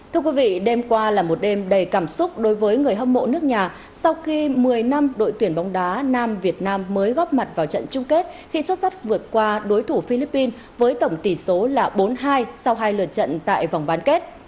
thưa quý vị đêm qua là một đêm đầy cảm xúc đối với người hâm mộ nước nhà sau khi một mươi năm đội tuyển bóng đá nam việt nam mới góp mặt vào trận chung kết khi xuất sắc vượt qua đối thủ philippines với tổng tỷ số là bốn mươi hai sau hai lượt trận tại vòng bán kết